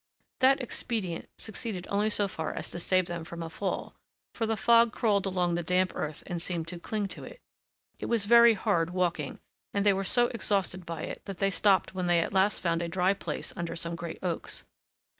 That expedient succeeded only so far as to save them from a fall, for the fog crawled along the damp earth and seemed to cling to it. It was very hard walking, and they were so exhausted by it that they stopped when they at last found a dry place under some great oaks.